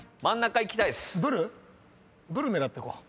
ブル狙ってこう。